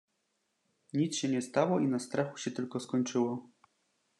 "nic się nie stało i na strachu się tylko skończyło."